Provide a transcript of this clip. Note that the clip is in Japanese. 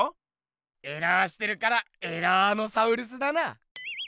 エラーしてるからエラーノサウルスだな！